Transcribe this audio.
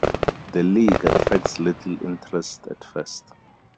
The league attracts little interest at first.